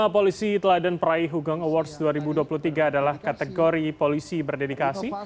lima polisi teladan peraih hugeng awards dua ribu dua puluh tiga adalah kategori polisi berdedikasi